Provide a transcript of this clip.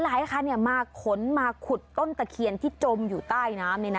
หลายคันมาขนมาขุดต้นตะเคียนที่จมอยู่ใต้น้ำ